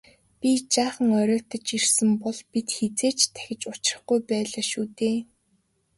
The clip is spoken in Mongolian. Би жаахан оройтож ирсэн бол бид хэзээ ч дахин учрахгүй байлаа шүү дээ.